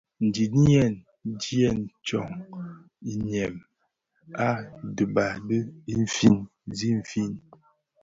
Ndiñiyèn diiyèn tsög yiñim a dhiba zi infin.